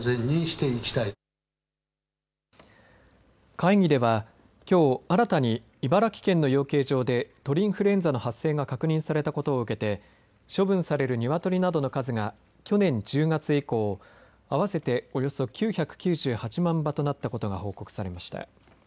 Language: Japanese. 会議では、きょう新たに茨城県の養鶏場で鳥インフルエンザの発生が確認されたことを受けて処分されるニワトリなどの数が去年１０月以降、合わせておよそ９９８万羽となったことが報告されました。